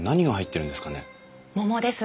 桃です。